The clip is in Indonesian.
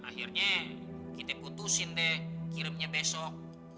akhirnya kita putusin dek kirimnya besok